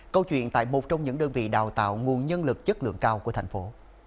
câu chuyện tại một trong những đơn vị đào tạo nguồn nhân lực chất lượng cao của thành phố